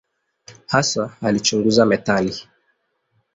Hasa alichunguza metali.